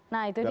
nah itu dia